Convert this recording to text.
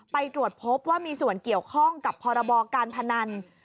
ไปตรวจพบว่ามีส่วนเกี่ยวข้องกับพรบการพนัน